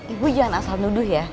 ibu jangan asal nuduh ya